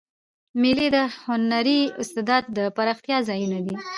مېلې د هنري استعدادو د پراختیا ځایونه دي.